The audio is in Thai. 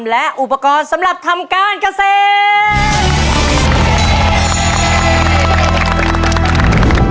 และอุปกรณ์สำหรับทำการเกษตร